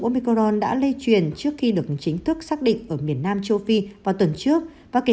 omicorn đã lây truyền trước khi được chính thức xác định ở miền nam châu phi vào tuần trước và kể